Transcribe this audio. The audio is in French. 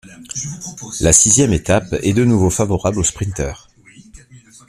La sixième étape est de nouveau favorable aux sprinteurs.